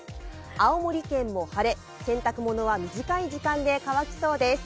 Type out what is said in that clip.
青森県も晴れ、洗濯物は短い時間で乾きそうです。